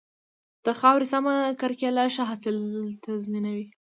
د خاورې سمه کرکيله ښه حاصل تضمینوي.